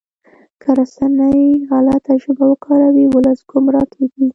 که رسنۍ غلطه ژبه وکاروي ولس ګمراه کیږي.